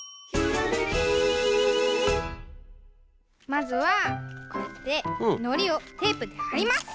まずはこうやってのりをテープではります。